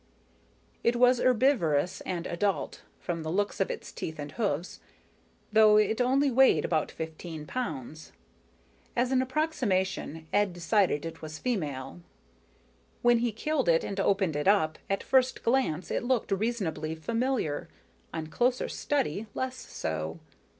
It was herbivorous and adult, from the looks of its teeth and hoofs, though it only weighed about fifteen pounds. As an approximation, Ed decided it was female. When he killed it and opened it up, at first glance it looked reasonably familiar, on closer study less so.